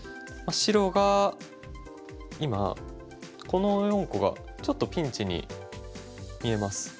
白が今この４個がちょっとピンチに見えます。